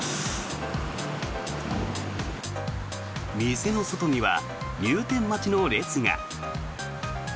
店の外には入店待ちの列が。